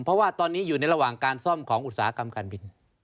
เพราะว่าตอนนี้อยู่ในระหว่างการซ่อมของอุตสาหกรรมการบิน